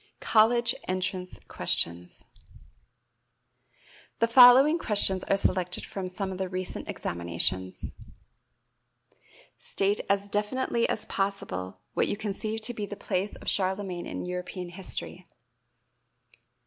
College Entrance Questions. The following questions are selected from some of the recent examinations: State as definitely as possible what you conceive to be the place of Charlemagne in European history.